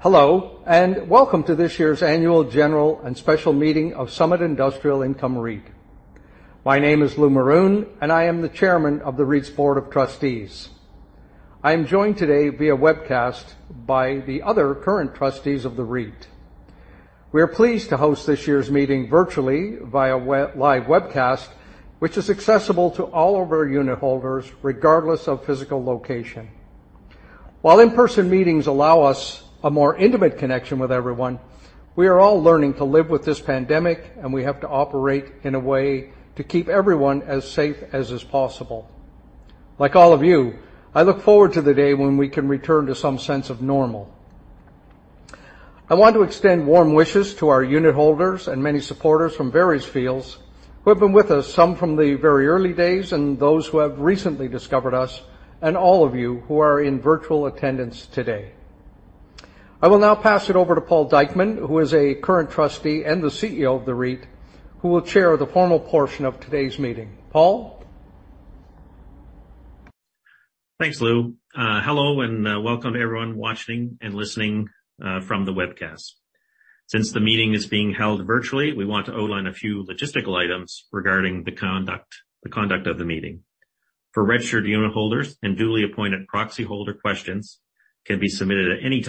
Hello, and welcome to this year's annual general and special meeting of Summit Industrial Income REIT. My name is Lou Maroun, and I am the Chairman of the REIT's Board of Trustees. I am joined today via webcast by the other current Trustees of the REIT. We are pleased to host this year's meeting virtually via live webcast, which is accessible to all of our unitholders, regardless of physical location. While in-person meetings allow us a more intimate connection with everyone, we are all learning to live with this pandemic, and we have to operate in a way to keep everyone as safe as is possible. Like all of you, I look forward to the day when we can return to some sense of normal. I want to extend warm wishes to our unitholders and many supporters from various fields who have been with us, some from the very early days and those who have recently discovered us, and all of you who are in virtual attendance today. I will now pass it over to Paul Dykeman, who is a current Trustee and the CEO of the REIT, who will chair the formal portion of today's meeting. Paul? Thanks, Lou. Hello, and welcome to everyone watching and listening from the webcast. Since the meeting is being held virtually, we want to outline a few logistical items regarding the conduct of the meeting. For registered unitholders and duly appointed proxy holder, questions can be submitted at any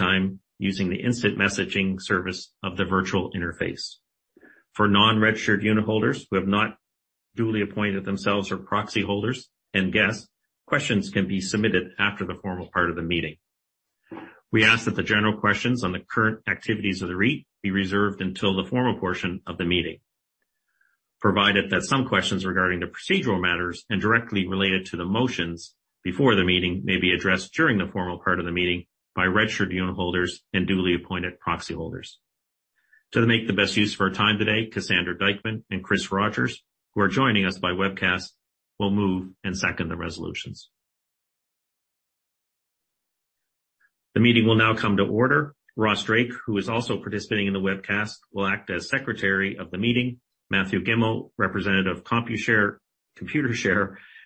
time using the instant messaging service of the virtual interface. For non-registered unitholders who have not duly appointed themselves or proxy holders and guests, questions can be submitted after the formal part of the meeting. We ask that the general questions on the current activities of the REIT be reserved until the formal portion of the meeting, provided that some questions regarding the procedural matters and directly related to the motions before the meeting may be addressed during the formal part of the meeting by registered unitholders and duly appointed proxy holders. To make the best use of our time today, Cassandra Dykeman and Chris Rodgers, who are joining us by webcast, will move and second the resolutions. The meeting will now come to order. Ross Drake, who is also participating in the webcast, will act as secretary of the meeting. Matthew Gemmell, representative of Computershare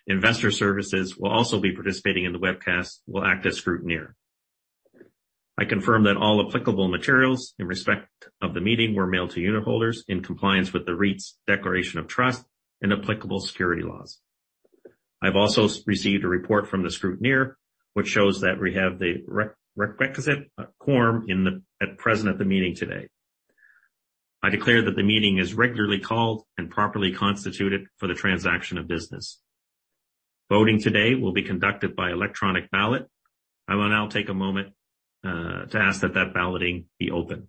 Investor Services, will also be participating in the webcast, will act as scrutineer. I confirm that all applicable materials in respect of the meeting were mailed to unitholders in compliance with the REIT's declaration of trust and applicable security laws. I've also received a report from the scrutineer, which shows that we have the requisite quorum at present at the meeting today. I declare that the meeting is regularly called and properly constituted for the transaction of business. Voting today will be conducted by electronic ballot. I will now take a moment to ask that that balloting be open.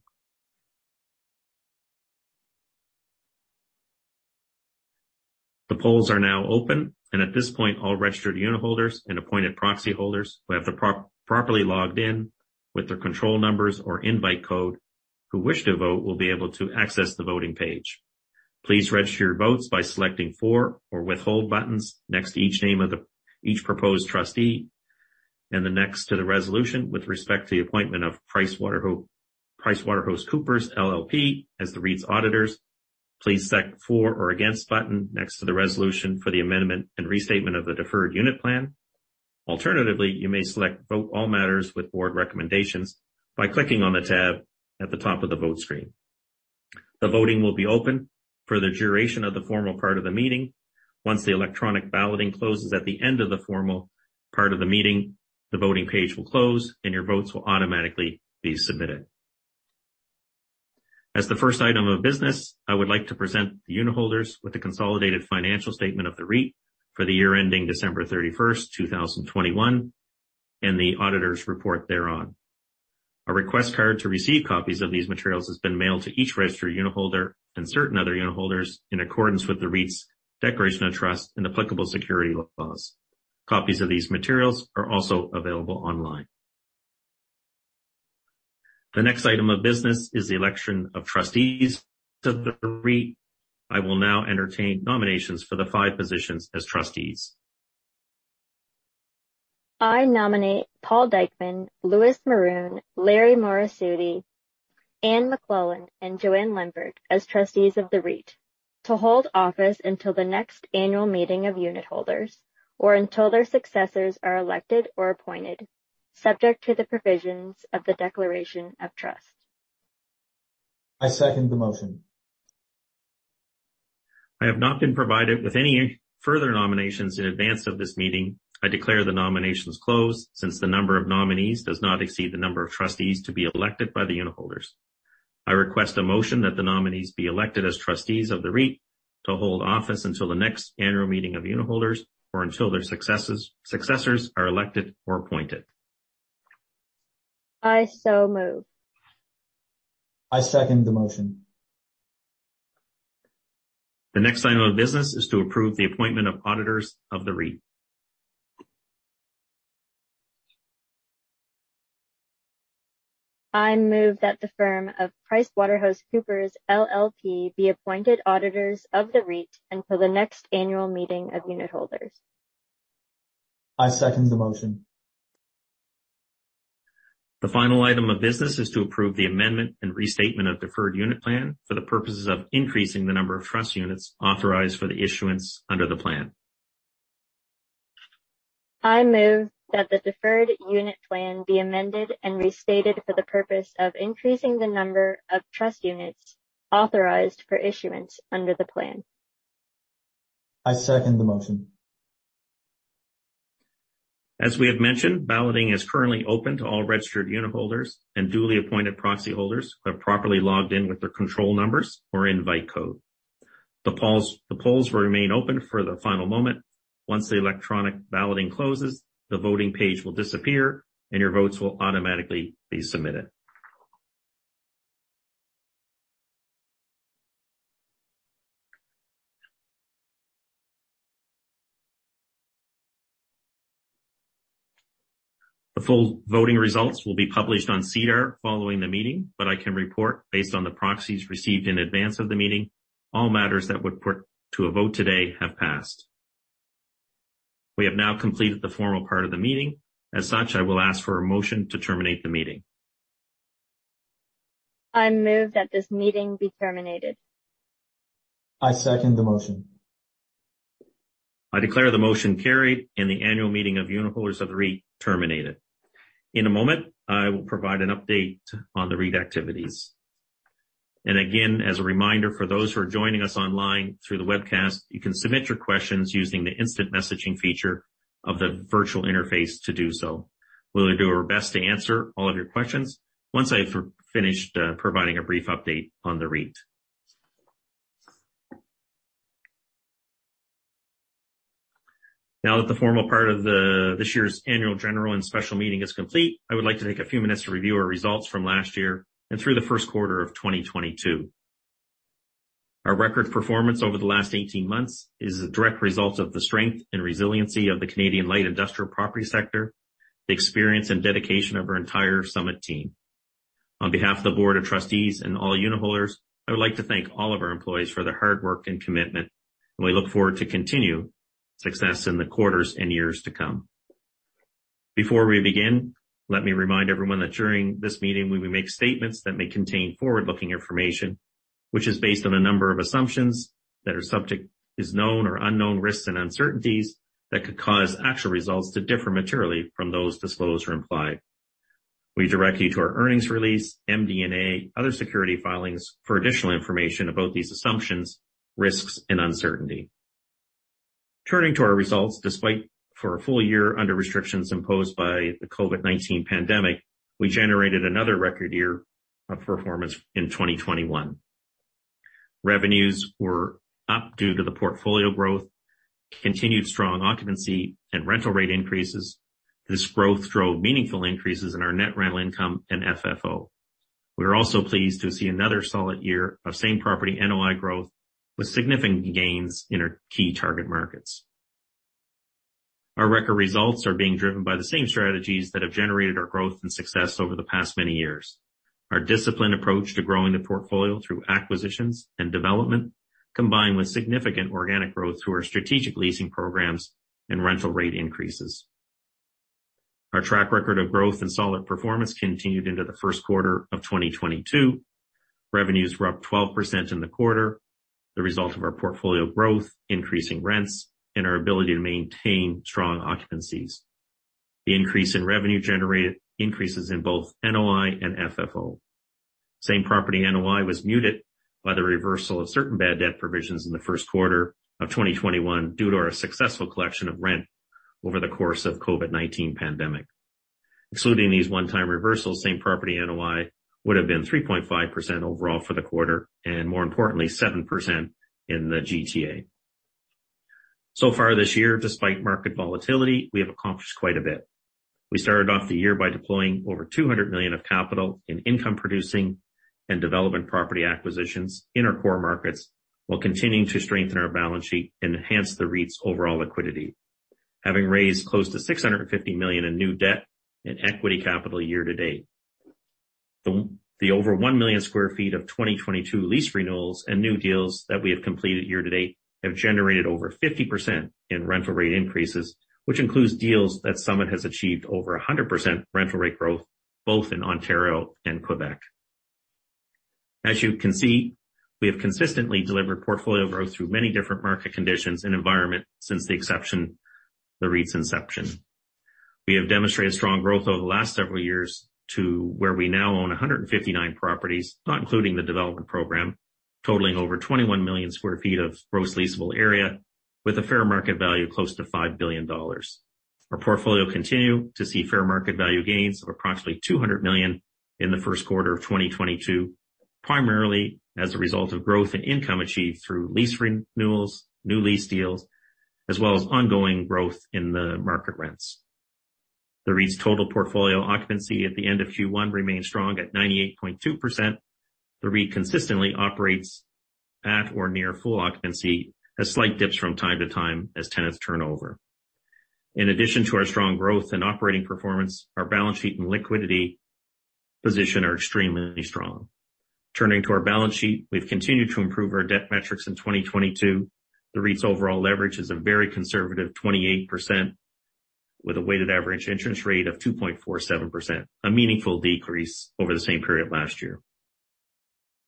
The polls are now open. At this point, all registered unitholders and appointed proxy holders who have properly logged in with their control numbers or invite code who wish to vote will be able to access the voting page. Please register your votes by selecting "for" or "withhold" buttons next to each name of each proposed Trustee, and then next to the resolution with respect to the appointment of PricewaterhouseCoopers LLP as the REIT's auditors. Please select "for" or "against" button next to the resolution for the amendment and restatement of the deferred unit plan. Alternatively, you may select "vote all matters with board recommendations" by clicking on the tab at the top of the vote screen. The voting will be open for the duration of the formal part of the meeting. Once the electronic balloting closes at the end of the formal part of the meeting, the voting page will close, and your votes will automatically be submitted. As the first item of business, I would like to present the unitholders with the consolidated financial statement of the REIT for the year ending December 31st, 2021, and the auditors' report thereon. A request card to receive copies of these materials has been mailed to each registered unitholder and certain other unitholders in accordance with the REIT's declaration of trust and applicable security laws. Copies of these materials are also available online. The next item of business is the election of trustees to the REIT. I will now entertain nominations for the five positions as trustees. I nominate Paul Dykeman, Louis Maroun, Larry Morassutti, Anne McLellan, and Jo-Anne Lempert as Trustees of the REIT to hold office until the next annual meeting of unitholders or until their successors are elected or appointed, subject to the provisions of the declaration of trust. I second the motion. I have not been provided with any further nominations in advance of this meeting. I declare the nominations closed since the number of nominees does not exceed the number of trustees to be elected by the unitholders. I request a motion that the nominees be elected as Trustees of the REIT to hold office until the next annual meeting of unitholders or until their successors are elected or appointed. I so move. I second the motion. The next item of business is to approve the appointment of auditors of the REIT. I move that the firm of PricewaterhouseCoopers LLP be appointed auditors of the REIT until the next annual meeting of unitholders. I second the motion. The final item of business is to approve the amendment and restatement of deferred unit plan for the purposes of increasing the number of trust units authorized for the issuance under the plan. I move that the deferred unit plan be amended and restated for the purpose of increasing the number of trust units authorized for issuance under the plan. I second the motion. As we have mentioned, balloting is currently open to all registered unitholders and duly appointed proxy holders who have properly logged in with their control numbers or invite code. The polls will remain open for the final moment. Once the electronic balloting closes, the voting page will disappear and your votes will automatically be submitted. The full voting results will be published on SEDAR following the meeting but I can report based on the proxies received in advance of the meeting, all matters that would put to a vote today have passed. We have now completed the formal part of the meeting. As such, I will ask for a motion to terminate the meeting. I move that this meeting be terminated. I second the motion. I declare the motion carried and the annual meeting of unitholders of the REIT terminated. In a moment, I will provide an update on the REIT activities. Again, as a reminder for those who are joining us online through the webcast, you can submit your questions using the instant messaging feature of the virtual interface to do so. We will do our best to answer all of your questions once I have finished providing a brief update on the REIT. Now that the formal part of this year's annual general and special meeting is complete, I would like to take a few minutes to review our results from last year and through the first quarter of 2022. Our record performance over the last 18 months is a direct result of the strength and resiliency of the Canadian light industrial property sector, the experience and dedication of our entire Summit team. On behalf of the Board of Trustees and all unitholders, I would like to thank all of our employees for their hard work and commitment. We look forward to continued success in the quarters and years to come. Before we begin, let me remind everyone that during this meeting, we may make statements that may contain forward-looking information, which is based on a number of assumptions that are subject to known or unknown risks and uncertainties that could cause actual results to differ materially from those disclosed or implied. We direct you to our earnings release, MD&A, other security filings for additional information about these assumptions, risks, and uncertainty. Turning to our results, despite for a full-year under restrictions imposed by the COVID-19 pandemic, we generated another record year of performance in 2021. Revenues were up due to the portfolio growth, continued strong occupancy, and rental rate increases. This growth drove meaningful increases in our net rental income and FFO. We are also pleased to see another solid year of same property NOI growth with significant gains in our key target markets. Our record results are being driven by the same strategies that have generated our growth and success over the past many years. Our disciplined approach to growing the portfolio through acquisitions and development, combined with significant organic growth through our strategic leasing programs and rental rate increases. Our track record of growth and solid performance continued into the first quarter of 2022. Revenues were up 12% in the quarter, the result of our portfolio growth, increasing rents, and our ability to maintain strong occupancies. The increase in revenue generated increases in both NOI and FFO. Same property NOI was muted by the reversal of certain bad debt provisions in the first quarter of 2021 due to our successful collection of rent over the course of COVID-19 pandemic. Excluding these one-time reversals, same property NOI would have been 3.5% overall for the quarter, and more importantly, 7% in the GTA. So far this year, despite market volatility, we have accomplished quite a bit. We started off the year by deploying over 200 million of capital in income-producing and development property acquisitions in our core markets while continuing to strengthen our balance sheet and enhance the REIT's overall liquidity. Having raised close to 650 million in new debt and equity capital year to date. The over 1 million sq ft of 2022 lease renewals and new deals that we have completed year to date have generated over 50% in rental rate increases, which includes deals that Summit has achieved over 100% rental rate growth both in Ontario and Quebec. As you can see, we have consistently delivered portfolio growth through many different market conditions and environment since the REIT's inception. We have demonstrated strong growth over the last several years to where we now own 159 properties, not including the development program, totaling over 21 million sq ft of gross leasable area with a fair market value close to 5 billion dollars. Our portfolio continue to see fair market value gains of approximately 200 million in the first quarter of 2022, primarily as a result of growth in income achieved through lease renewals, new lease deals, as well as ongoing growth in the market rents. The REIT's total portfolio occupancy at the end of Q1 remains strong at 98.2%. The REIT consistently operates at or near full occupancy as slight dips from time to time as tenants turnover. In addition to our strong growth and operating performance, our balance sheet and liquidity position are extremely strong. Turning to our balance sheet, we've continued to improve our debt metrics in 2022. The REIT's overall leverage is a very conservative 28% with a weighted average interest rate of 2.47%, a meaningful decrease over the same period last year.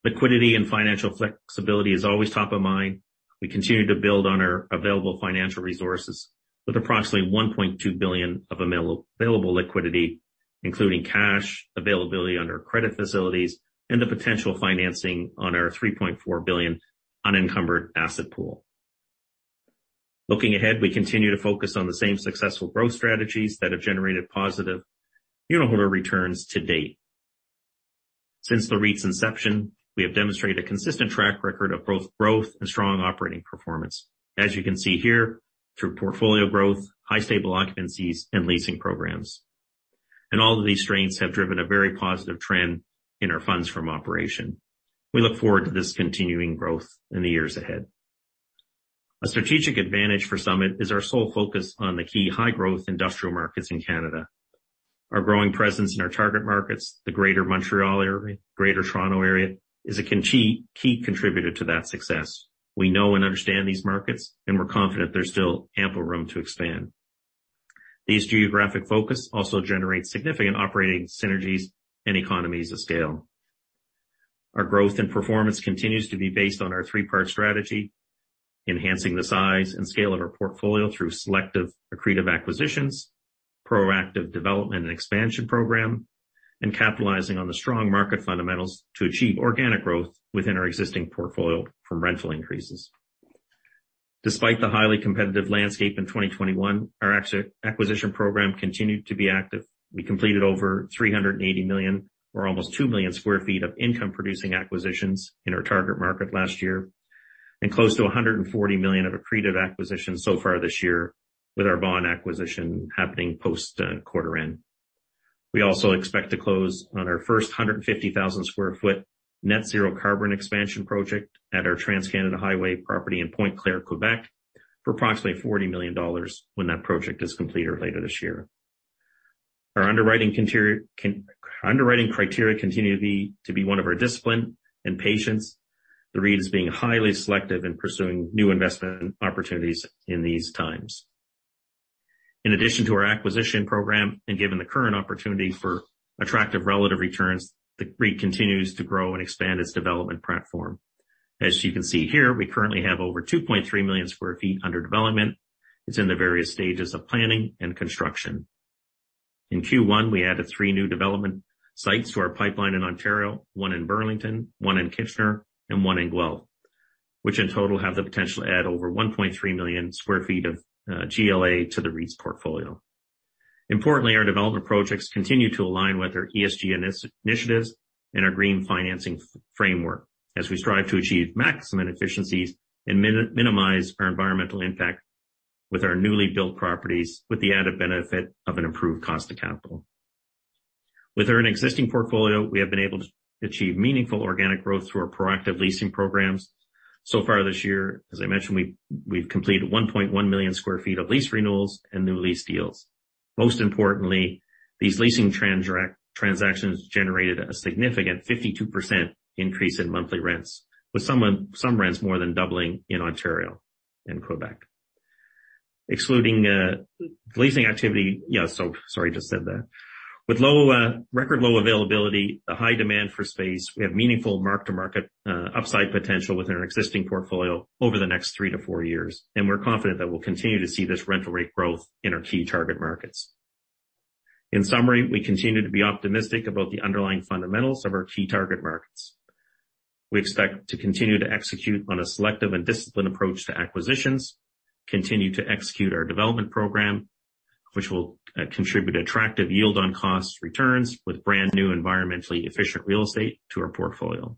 Liquidity and financial flexibility is always top of mind. We continue to build on our available financial resources with approximately 1.2 billion of available liquidity, including cash availability under credit facilities and the potential financing on our 3.4 billion unencumbered asset pool. Looking ahead, we continue to focus on the same successful growth strategies that have generated positive unitholder returns to date. Since the REIT's inception, we have demonstrated a consistent track record of both growth and strong operating performance. As you can see here, through portfolio growth, high stable occupancies, and leasing programs. All of these strengths have driven a very positive trend in our Funds From Operation. We look forward to this continuing growth in the years ahead. A strategic advantage for Summit is our sole focus on the key high-growth industrial markets in Canada. Our growing presence in our target markets, the Greater Montreal area, Greater Toronto area, is a key contributor to that success. We know and understand these markets, and we're confident there's still ample room to expand. This geographic focus also generates significant operating synergies and economies of scale. Our growth and performance continues to be based on our three-part strategy: enhancing the size and scale of our portfolio through selective accretive acquisitions, proactive development and expansion program, and capitalizing on the strong market fundamentals to achieve organic growth within our existing portfolio from rental increases. Despite the highly competitive landscape in 2021, our acquisition program continued to be active. We completed over 380 million, or almost 2 million sq ft of income-producing acquisitions in our target market last year, and close to 140 million of accretive acquisitions so far this year, with our Vaughan acquisition happening post quarter end. We also expect to close on our first 150,000 sq ft net-zero carbon expansion project at our Trans-Canada Highway property in Pointe-Claire, Quebec, for approximately 40 million dollars when that project is completed later this year. Our underwriting criteria continue to be one of our discipline and patience. The REIT is being highly selective in pursuing new investment opportunities in these times. In addition to our acquisition program and given the current opportunity for attractive relative returns, the REIT continues to grow and expand its development platform. As you can see here, we currently have over 2.3 million sq ft under development. It's in the various stages of planning and construction. In Q1, we added three new development sites to our pipeline in Ontario, one in Burlington, one in Kitchener, and one in Guelph, which in total have the potential to add over 1.3 million sq ft of GLA to the REIT's portfolio. Importantly, our development projects continue to align with our ESG initiatives and our green financing framework as we strive to achieve maximum efficiencies and minimize our environmental impact with our newly built properties with the added benefit of an improved cost of capital. Within our existing portfolio, we have been able to achieve meaningful organic growth through our proactive leasing programs. So far this year, as I mentioned, we've completed 1.1 million sq ft of lease renewals and new lease deals. Most importantly, these leasing transactions generated a significant 52% increase in monthly rents, with some rents more than doubling in Ontario and Quebec. With record low availability, the high demand for space, we have meaningful mark-to-market upside potential within our existing portfolio over the next three to four years, and we're confident that we'll continue to see this rental rate growth in our key target markets. In summary, we continue to be optimistic about the underlying fundamentals of our key target markets. We expect to continue to execute on a selective and disciplined approach to acquisitions, continue to execute our development program, which will contribute attractive yield on cost returns with brand new environmentally efficient real estate to our portfolio.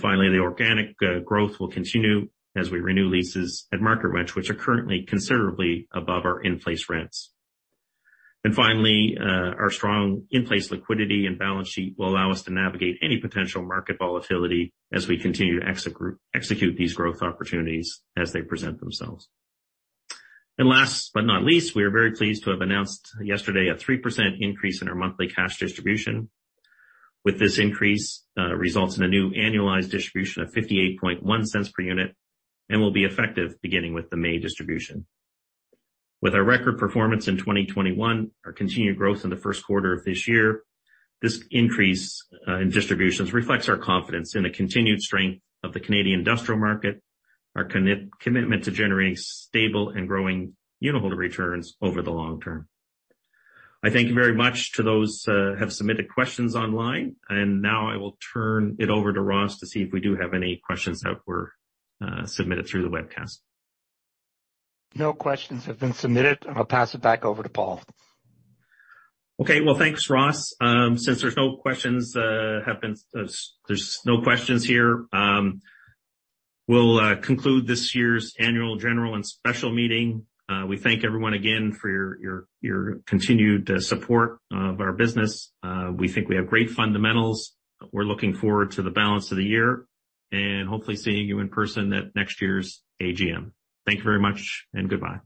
Finally, the organic growth will continue as we renew leases at market rent, which are currently considerably above our in-place rents. Finally, our strong in-place liquidity and balance sheet will allow us to navigate any potential market volatility as we continue to execute these growth opportunities as they present themselves. Last but not least, we are very pleased to have announced yesterday a 3% increase in our monthly cash distribution. With this increase, results in a new annualized distribution of 0.581 per unit and will be effective beginning with the May distribution. With our record performance in 2021, our continued growth in the first quarter of this year, this increase in distributions reflects our confidence in the continued strength of the Canadian industrial market, our commitment to generating stable and growing unitholder returns over the long term. I thank you very much to those have submitted questions online, and now I will turn it over to Ross to see if we do have any questions that were submitted through the webcast. No questions have been submitted. I'll pass it back over to Paul. Okay, well, thanks, Ross. Since there's no questions here, we'll conclude this year's annual general and special meeting. We thank everyone again for your continued support of our business. We think we have great fundamentals. We're looking forward to the balance of the year and hopefully seeing you in person at next year's AGM. Thank you very much and goodbye.